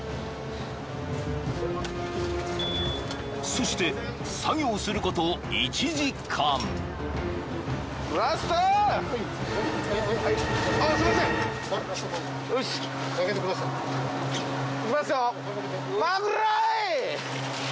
［そして作業すること１時間］いきますよ。